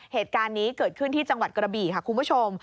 เหตุการณ์นี้เกิดขึ้นที่จังหวัดกระบี่ค่ะคุณผู้ชม